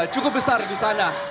cukup besar di sana